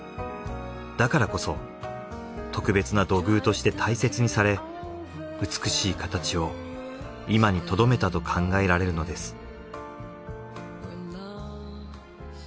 だからこそ特別な土偶として大切にされ美しい形を今にとどめたと考えられるのです。